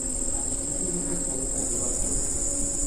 আমি চিঠি লিখে খবরটা জোগাড় করব।